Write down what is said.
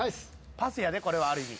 パスやでこれはある意味。